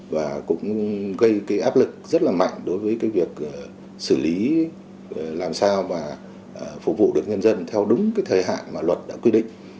và cũng gây cái áp lực rất là mạnh đối với cái việc xử lý làm sao và phục vụ được nhân dân theo đúng cái thời hạn mà luật đã quy định